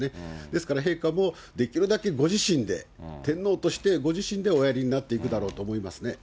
ですから陛下も、できるだけご自身で、天皇としてご自身でおやりになっていくだろうと思いますね。